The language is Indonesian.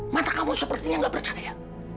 mata kamu sepertinya nggak bercaya